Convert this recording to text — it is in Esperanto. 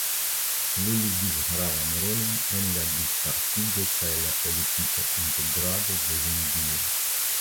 Li ludis gravan rolon en la dispartigo kaj la politika integrado de Hindio.